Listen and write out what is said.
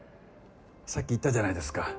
さっき言ったじゃないですか